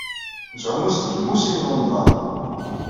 Nettɛumu s tgelmusin n unḍab.